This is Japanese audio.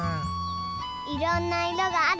いろんないろがあるね。